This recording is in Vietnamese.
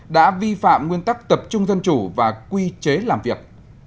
đã vi phạm nguyên tắc tập trung dân chủ và quy chế làm việc